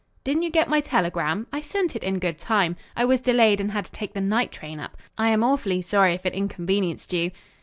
"Didn't you get my telegram? I sent it in good time. I was delayed and had to take the night train up. I am awfully sorry if it inconvenienced you."